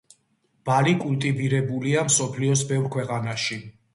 ბალი კულტივირებულია მსოფლიოს ბევრ ქვეყანაში.